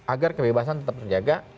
agar kebebasan tetap terjaga